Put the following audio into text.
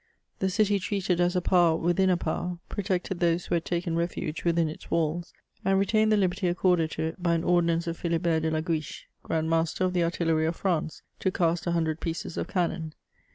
The city treated as a power with a power, protected those who had taken refuge within its walls, and retained the Uberty accorded to it by an ordinance of Philibert de la Quiche, Grand Master of the Artillery of France, to cast a hundred pieces of cannon.